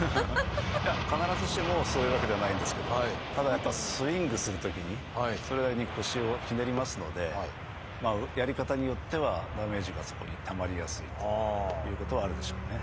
いや必ずしもそういうわけではないんですけどもただやっぱスイングするときにそれなりに腰をひねりますのでやり方によってはダメージがそこにたまりやすいということはあるでしょうね。